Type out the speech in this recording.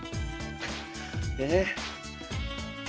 え？